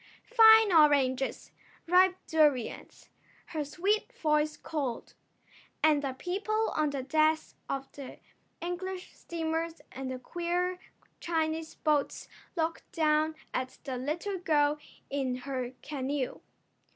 "Fine oranges! Ripe durions!" her sweet voice called. And the people on the decks of the English steamers and the queer Chinese boats looked down at the little girl in her canoe.